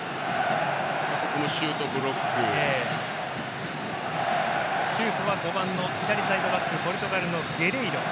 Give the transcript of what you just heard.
シュートは５番の左サイドバックポルトガルのゲレイロ。